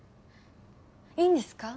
いいんですか？